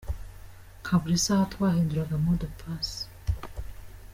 Nka buri saha twahinduraga mot de passé.